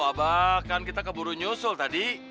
aba kan kita keburu nyusul tadi